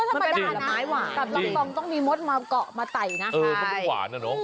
ก็ธรรมดาและไม้หวานแต่รองกองต้องมีมดมาเกาะมาไต่นะ